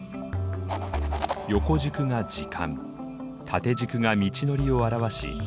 横軸が時間縦軸が道のりを表し